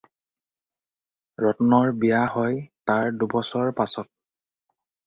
ৰত্নৰ বিয়া হয় তাৰ দুবছৰ পাচত।